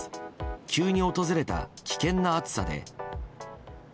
急に訪れた危険な暑さで。